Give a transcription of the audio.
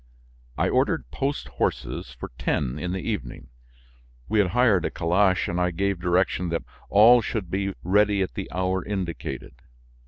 I ordered post horses for ten in the evening. We had hired a calash and I gave direction that all should be ready at the hour indicated.